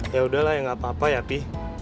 ya udahlah nggak apa apa ya pi